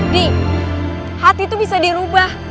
di hati itu bisa dirubah